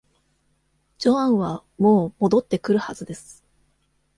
ジョアンはもう戻ってくるはずです。